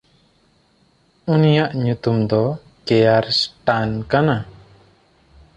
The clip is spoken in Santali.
ᱩᱱᱤᱭᱟᱜ ᱧᱩᱛᱩᱢ ᱫᱚ ᱠᱮᱭᱟᱨᱥᱴᱟᱱ ᱠᱟᱱᱟ᱾